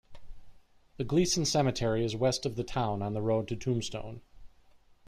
The Gleeson cemetery is west of the town on the road to Tombstone.